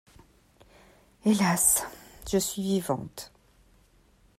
Hélas! je suis vivante.